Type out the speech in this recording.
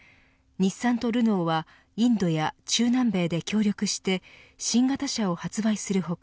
日産とルノーはインドや中南米で協力して新型車を発売する他